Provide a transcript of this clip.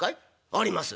「あります」。